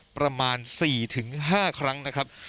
ประมาณ๔๕ครั้งนะครับ